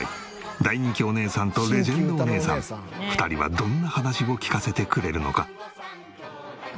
大人気おねえさんとレジェンドおねえさん２人はどんな話を聞かせてくれるのか？